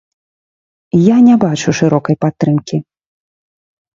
Я не бачу шырокай падтрымкі.